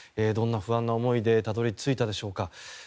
どんな不安な思いでたどり着いたでしょうか。